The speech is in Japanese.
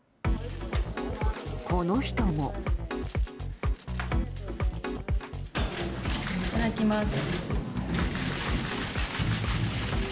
この人も。いただきます。